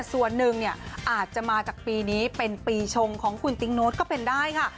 ส่วนหนึ่งเนี่ยอาจจะมาจากปีนี้เป็นปีชงของคุณติ๊งโน้ตก็เป็นได้ค่ะ